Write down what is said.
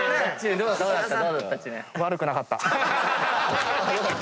・どうだった？